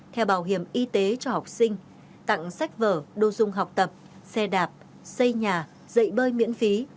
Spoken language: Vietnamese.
theo bảo hiểm y tế cho học sinh tặng sách vở đồ dung học tập xe đạp xây nhà dạy bơi miễn phí